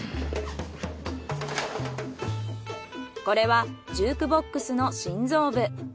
これはジュークボックスの心臓部。